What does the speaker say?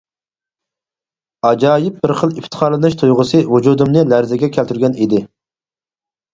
ئاجايىپ بىر خىل ئىپتىخارلىنىش تۇيغۇسى ۋۇجۇدۇمنى لەرزىگە كەلتۈرگەن ئىدى.